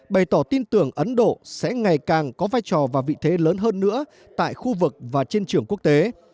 bày tỏ tin tưởng ấn độ sẽ ngày càng có vai trò và vị thế lớn hơn nữa tại khu vực và trên trường quốc tế